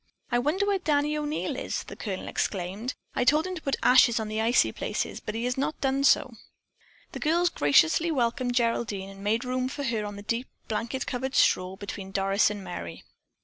"I wonder where Danny O'Neil is," the Colonel exclaimed. "I told him to put ashes on the icy places, but he has not done so." The girls graciously welcomed Geraldine and made room for her on the deep, blanket covered straw between Doris and Merry.